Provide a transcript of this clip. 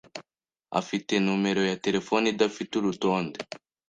afite numero ya terefone idafite urutonde.